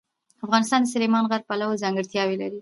افغانستان د سلیمان غر پلوه ځانګړتیاوې لري.